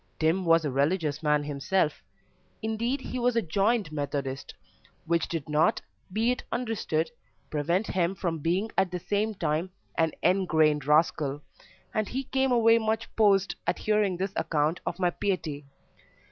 Tim was "a religious man" himself; indeed, he was "a joined Methodist," which did not (be it understood) prevent him from being at the same time an engrained rascal, and he came away much posed at hearing this account of my piety.